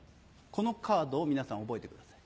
このカードを皆さん覚えてください。